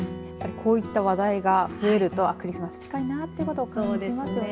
こういった話題が増えるとクリスマス近いなあということ感じますね。